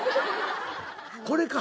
これか。